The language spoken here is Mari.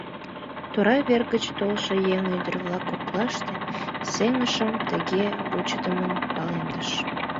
Тора вер гыч толшо еҥ ӱдыр-влак коклаште сеҥышым тыге вучыдымын палемдыш.